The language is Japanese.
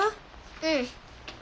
うん。